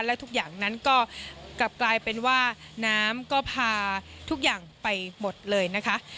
และทุกอย่างนั้นก็กลับกลายเป็นว่าน้ำก็พาทุกอย่างไปหมดเลยนะคะ